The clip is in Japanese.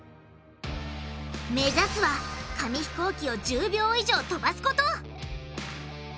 目指すは紙ひこうきを１０秒以上飛ばすこと！